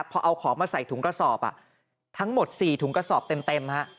พอเอาของมาใส่ถุงกระสอบทั้งหมด๔ถุงกระสอบเต็มฮะ